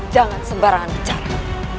jangan sembarangan bicara